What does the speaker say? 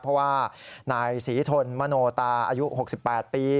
เพราะว่านายศรีทนมโนตาอายุ๖๘ปี